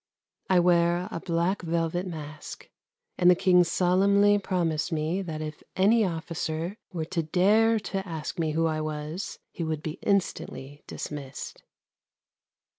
I wear a black velvet mask and the King solemnly promised me that if any officer were to dare to ask me who I was he would be instantly dismissed.